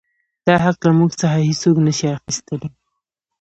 دا حـق لـه مـوږ څـخـه هـېڅوک نـه شـي اخيـستلى.